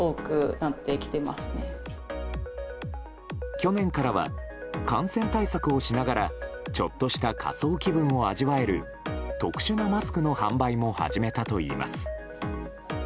去年からは感染対策をしながらちょっとした仮装気分を味わえる特殊なマスクの販売も始めたといいます。